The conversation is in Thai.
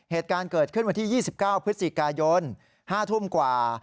เหตุการณ์เกิดขึ้นวันที่๒๙พฤศจิกายน๕ทุ่มกว่า